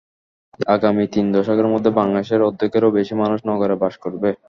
আগামী তিন দশকের মধ্যে বাংলাদেশের অর্ধেকেরও বেশি মানুষ নগরে বাস করবে।